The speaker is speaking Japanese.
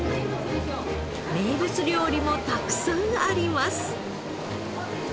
名物料理もたくさんあります。